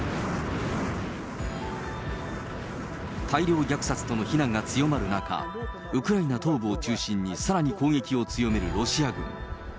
大量虐殺との非難が強まる中、ウクライナ東部を中心にさらに攻撃を強めるロシア軍。